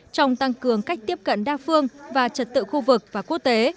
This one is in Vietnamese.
trong tăng cường cách tiếp cận đa phương và trật tự khu vực và quốc tế